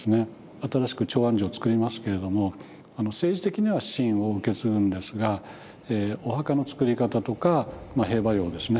新しく長安城を造りますけれどもあの政治的には秦を受け継ぐんですがお墓の作り方とか兵馬俑ですね